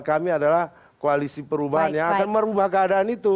kami adalah koalisi perubahan yang akan merubah keadaan itu